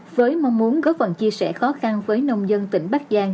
với mong muốn góp phần chia sẻ khó khăn với nông dân tỉnh bắc giang